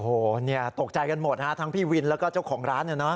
โอ้โฮตกใจกันหมดทั้งพี่วินแล้วก็เจ้าของร้านนี่นะ